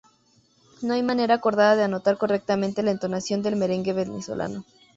No hay manera acordada de anotar correctamente la entonación del merengue venezolano.